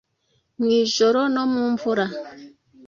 Mwijoro no mu mvura